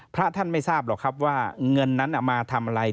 พระท่านไม่ทราบหรอกครับว่าเงินนั้นมาทำอะไร